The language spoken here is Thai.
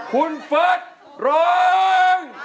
คุณเฟิร์สร้อง